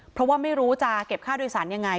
เพราะว่าไม่รู้จะเก็บค่าโดยสารยังไง